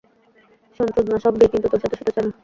শোন, চোদনা, সব গে কিন্তু তোর সাথে শুতে চায় না।